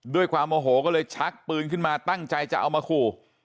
ด้วยความโอโหก็เลยชักปืนขึ้นมาตั้งใจจะเอามาขู่